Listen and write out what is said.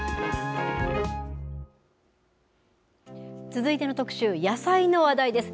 続いての特集、野菜の話題です。